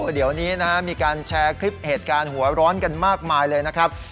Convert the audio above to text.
เดี๋ยวนี้นะฮะมีการแชร์คลิปเหตุการณ์หัวร้อนกันมากมายเลยนะครับ